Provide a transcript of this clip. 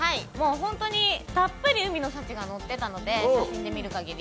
本当にたっぷり海の幸がのっていたので、写真で見る限り。